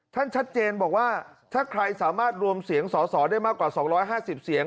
ชัดเจนบอกว่าถ้าใครสามารถรวมเสียงสอสอได้มากกว่า๒๕๐เสียง